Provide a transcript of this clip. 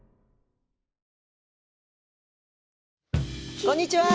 こんにちは。